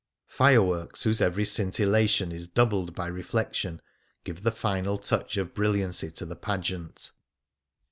41 Things Seen in Venice Fireworks, whose every scintillation is doubled by reflection, give the final touch of brilliancy to the pageant.